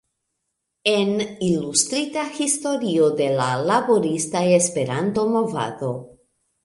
En: Ilustrita historio de la Laborista Esperanto-Movado.